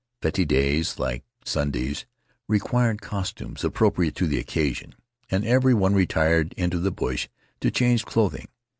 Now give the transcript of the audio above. Fete days, like Sundays, required costumes appropriate to the occasion, and everyone retired into the bush to change clothing.